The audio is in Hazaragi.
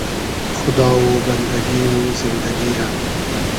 خودا و بئندئگی و زیندئگی رۂ